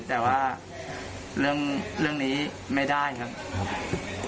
แต่ว่าเรื่องนี้ไม่ได้ครับ